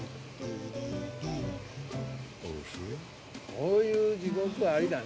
こういう地獄ありだね。